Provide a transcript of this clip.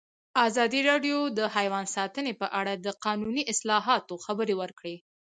ازادي راډیو د حیوان ساتنه په اړه د قانوني اصلاحاتو خبر ورکړی.